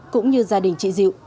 cũng như gia đình chị diệu